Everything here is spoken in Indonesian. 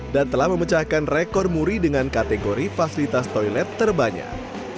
dan telah memecahkan rekor muri dengan kategori fasilitas toilet terbanyak